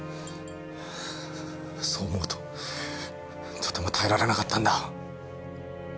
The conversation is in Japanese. そう思うととても耐えられなかったんだ。